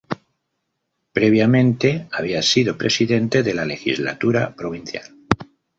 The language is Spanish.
Previamente había sido presidente de la legislatura provincial.